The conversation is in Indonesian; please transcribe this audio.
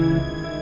ini udah berakhir